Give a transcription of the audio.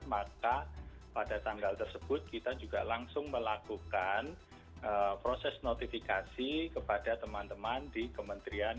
maka pada tanggal tersebut kita juga langsung melakukan proses notifikasi kepada teman teman di kementerian